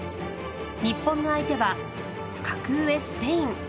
日本の相手は格上スペイン。